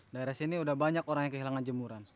daerah sini udah banyak orang yang kehilangan jemuran